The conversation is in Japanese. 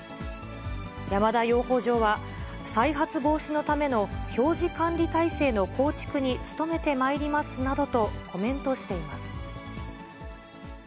山田養蜂場は、再発防止のための表示管理体制の構築に努めてまいりますなどとコメントしています。